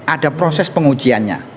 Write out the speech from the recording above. ada proses pengujiannya